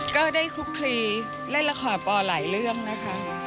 ก็ได้คลุกคลีเล่นละครปอหลายเรื่องนะคะ